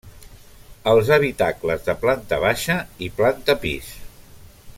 Els habitacles de planta baixa i planta pis.